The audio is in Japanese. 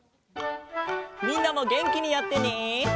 みんなもげんきにやってね！